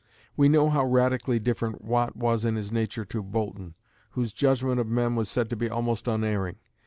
We know how radically different Watt was in his nature to Boulton, whose judgment of men was said to be almost unerring.